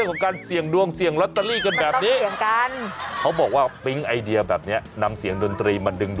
โอ้โหคงจะตุ๊กตั๊กเลยทีนี้